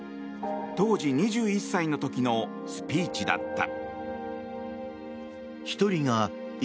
当時２１歳の時のスピーチだった。